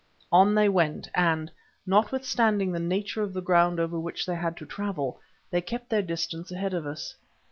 On they went, and, notwithstanding the nature of the ground over which they had to travel, they kept their distance ahead of us.